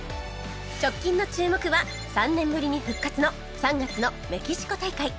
直近の注目は３年ぶりに復活の３月のメキシコ大会